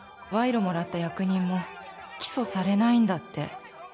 「賄賂もらった役人も」「起訴されないんだって」